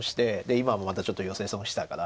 今もまたちょっとヨセ損したから。